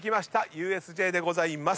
ＵＳＪでございます。